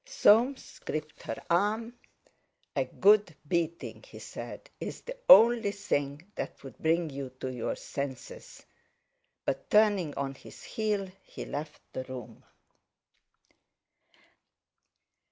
Soames gripped her arm. "A good beating," he said, "is the only thing that would bring you to your senses," but turning on his heel, he left the room.